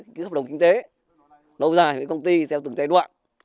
ký hợp đồng kinh tế lâu dài với công ty theo từng giai đoạn